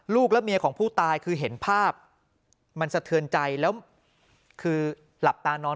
และเมียของผู้ตายคือเห็นภาพมันสะเทือนใจแล้วคือหลับตานอน